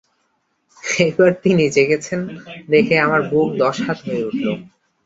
এইবার তিনি জেগেছেন দেখে আমার বুক দশহাত হয়ে উঠল।